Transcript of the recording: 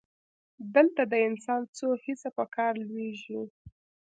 دلته د انسان څو حسه په کار لویږي.